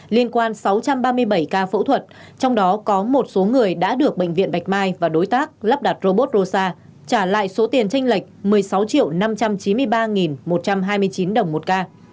liên quan sáu trăm ba mươi bảy ca phẫu thuật trong đó có một số người đã được bệnh viện bạch mai và đối tác lắp đặt robot rosa trả lại số tiền tranh lệch một mươi sáu năm trăm chín mươi ba một trăm hai mươi chín đồng một ca